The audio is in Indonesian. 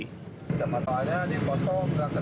kecamatan ada di posko